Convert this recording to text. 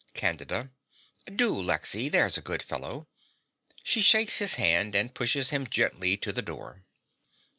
CANDIDA. Do, Lexy: there's a good fellow. (She shakes his hand and pushes him gently to the door.)